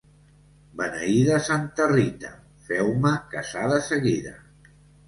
Beneïda Santa Rita, feu-me casar de seguida.